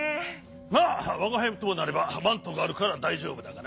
まあわがはいともなればマントがあるからだいじょうぶだがな。